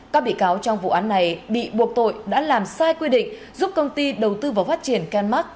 các bị cáo trong vụ án này bị buộc tội đã làm sai quy định giúp công ty đầu tư vào phát triển canar